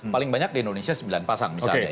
paling banyak di indonesia sembilan pasang misalnya